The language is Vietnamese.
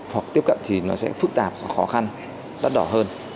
hoặc tiếp cận thì nó sẽ phức tạp và khó khăn đắt đỏ hơn